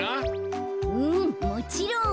うんもちろん。